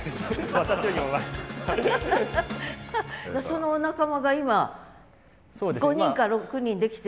そのお仲間が今５人か６人できてる？